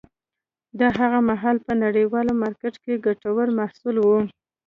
دا هغه مهال په نړیوال مارکېت کې ګټور محصول و.